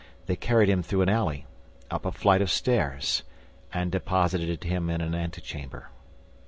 They carried him through an alley, up a flight of stairs, and deposited him in an antechamber.